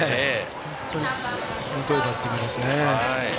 本当にいいバッティングですね。